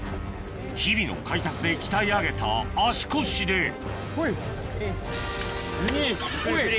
日々の開拓で鍛え上げた足腰でイチ・ニ。